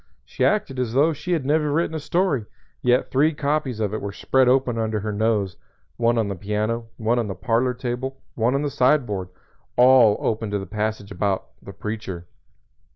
She acted as though she had never written a story, yet three copies of it were spread open under her nose one on the piano, one on the parlor table, one on the sideboard all open at the passage about "The Preacher."